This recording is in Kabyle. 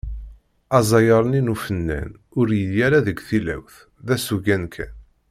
Aẓayer-nni n ufennan ur yelli ara deg tilawt, d asugen kan.